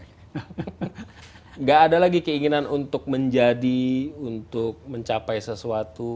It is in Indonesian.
tidak ada lagi keinginan untuk menjadi untuk mencapai sesuatu